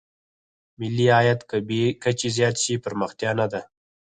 ملي عاید که بې کچې زیات شي پرمختیا نه ده.